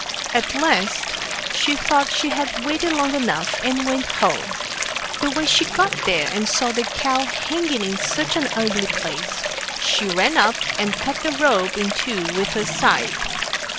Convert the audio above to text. At last she thought she'd waited long enough, and went home. But when she got there and saw the cow hanging in such an ugly place, she ran up and cut the rope in two with her scythe.